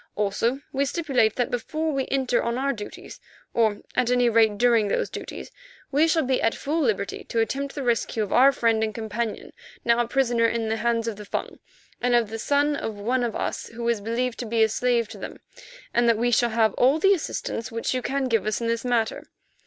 Also, we stipulate that before we enter on our duties, or at any rate during those duties, we shall be at full liberty to attempt the rescue of our friend and companion, now a prisoner in the hands of the Fung, and of the son of one of us who is believed to be a slave to them, and that we shall have all the assistance which you can give us in this matter.